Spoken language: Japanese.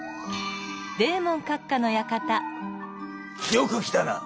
よく来たな！